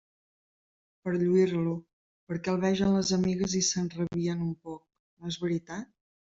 Per a lluir-lo, perquè el vegen les amigues i s'enrabien un poc..., no és veritat?